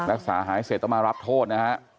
รักษาหายเสร็จต้องมารับโทษนะฮะ